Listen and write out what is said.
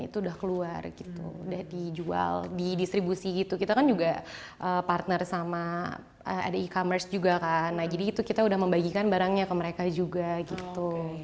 itu sudah keluar sudah dijual didistribusi kita kan juga partner sama e commerce juga kan jadi itu kita sudah membagikan barangnya ke mereka juga gitu